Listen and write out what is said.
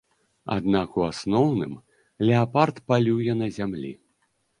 Аднак у асноўным леапард палюе на зямлі.